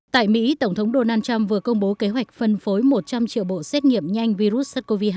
tại mỹ tổng thống donald trump vừa công bố kế hoạch phân phối một trăm linh triệu bộ xét nghiệm nhanh virus sars cov hai